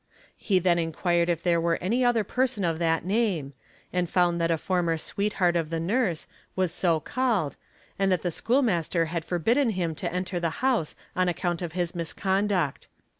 He then inquired if there were any other person 0 that name, and found that a former sweatheart of the nurse was so called, and that the school master had forbidden him to enter the house on account of his misconduct.